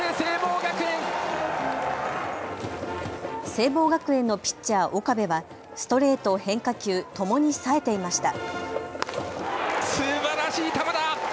聖望学園のピッチャー、岡部はストレート、変化球ともにさえていました。